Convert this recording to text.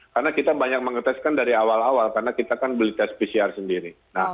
karena kita banyak mengeteskan dari awal awal karena kita kan beli tes pcr sendiri